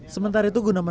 sementara itu gunaman